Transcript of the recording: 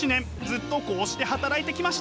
ずっとこうして働いてきました。